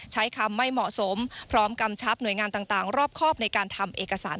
ใช้คำไม่เหมาะสมพร้อมกำชับหน่วยงานต่างรอบครอบในการทำเอกสาร